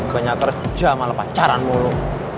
banyak kerja malah pacaran mulu